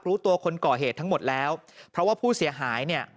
รู้ตัวคนก่อเหตุทั้งหมดแล้วเพราะว่าผู้เสียหายเนี่ย